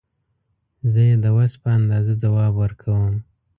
زه یې د وس په اندازه ځواب ورکوم.